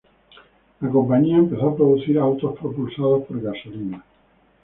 La compañía empezó a producir autos propulsados por gasolina.